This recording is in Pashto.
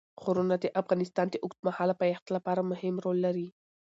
غرونه د افغانستان د اوږدمهاله پایښت لپاره مهم رول لري.